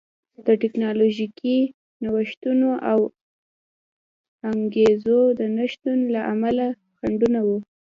د ټکنالوژیکي نوښتونو او انګېزو د نشتون له امله خنډونه وو